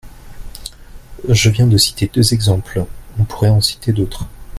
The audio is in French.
Je viens de citer deux exemples, on pourrait en citer d’autres.